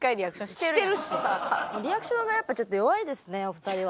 リアクションがやっぱちょっと弱いですねお二人は。